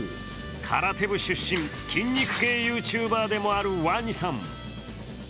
空手部出身、筋肉系ＹｏｕＴｕｂｅｒでもある鰐さん。